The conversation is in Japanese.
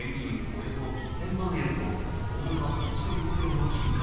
およそ１０００万円と重さ１．５ｋｇの金塊